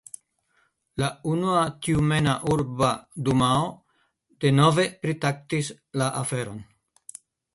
La la Tjumena Urba Dumao denove pritraktis la aferon.